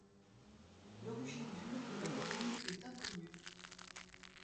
L'origine du nom de la commune est inconnu.